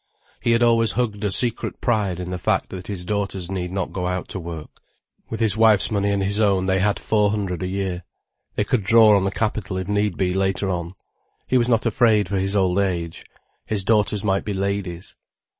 He had always hugged a secret pride in the fact that his daughters need not go out to work. With his wife's money and his own they had four hundred a year. They could draw on the capital if need be later on. He was not afraid for his old age. His daughters might be ladies.